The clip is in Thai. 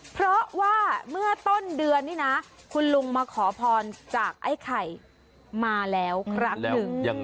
เพราะว่าเมื่อต้นเดือนนี่นะคุณลุงมาขอพรจากไอ้ไข่มาแล้วครั้งหนึ่ง